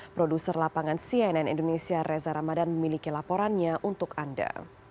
produser lapangan cnn indonesia reza ramadan memiliki laporannya untuk anda